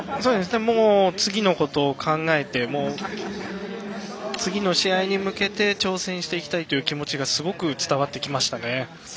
もう次のことを考えて次の試合に向けて挑戦していきたいという気持ちがすごく伝わってきました。